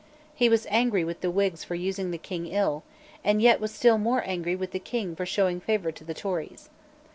He was angry with the Whigs for using the King ill, and yet was still more angry with the King for showing favour to the Tories.